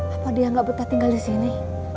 apa dia gak betah tinggal disini